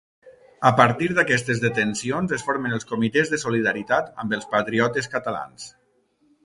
A partir d'aquestes detencions es formen els Comitès de Solidaritat amb els Patriotes Catalans.